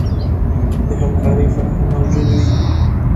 د همکارۍ فرهنګ موجود وي.